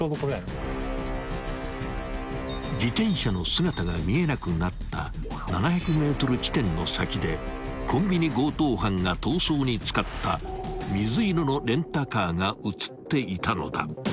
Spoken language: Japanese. ［自転車の姿が見えなくなった７００ｍ地点の先でコンビニ強盗犯が逃走に使った水色のレンタカーが映っていたのだ］